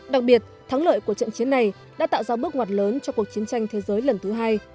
đặc biệt thắng lợi của trận chiến này đã tạo ra bước ngoặt lớn cho cuộc chiến tranh thế giới lần thứ hai